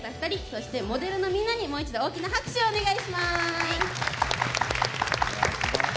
そして、モデルのみんなにもう一度大きな拍手をお願いします。